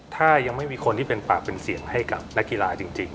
ถ้ายังไม่มีคนที่เป็นปากเป็นเสียงให้กับนักกีฬาจริง